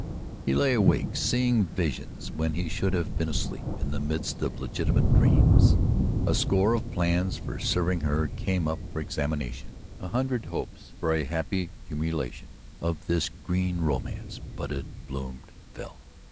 He lay awake seeing visions when he should have been asleep in the midst of legitimate dreams. A score of plans for serving her came up for examination, a hundred hopes for a happy culmination of this green romance budded, bloomed, and fell.